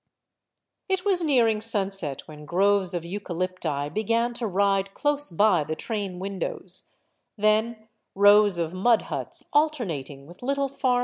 It was nearing sunset when groves of eucalypti began to ride close by j the train windows, then rows of mud huts alternating with little farm?